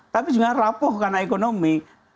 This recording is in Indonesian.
tapi juga lapuh karena ekonomi